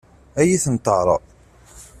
Ad iyi-tent-teɛṛeḍ?